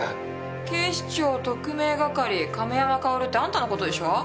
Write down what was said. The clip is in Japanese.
警視庁特命係亀山薫ってあんたのことでしょう？